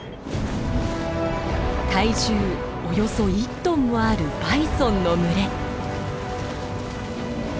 体重およそ１トンもあるバイソンの群れ。